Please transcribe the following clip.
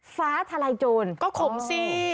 ฟ้าทลายโจรก็ขมสิ